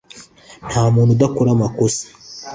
ntamuntu udakora amakosa